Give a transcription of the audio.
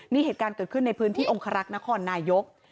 นี่เหตุการณ์เกิดขึ้นในพื้นที่องคารักษ์นครนายก